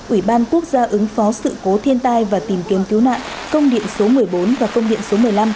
ủy ban quốc gia ứng phó sự cố thiên tai và tìm kiếm cứu nạn công điện số một mươi bốn và công điện số một mươi năm